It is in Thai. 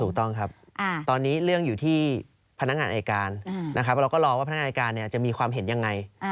ถูกต้องครับตอนนี้เรื่องอยู่ที่พนักงานอายการนะครับเราก็รอว่าพนักงานอายการจะมีความเห็นยังไง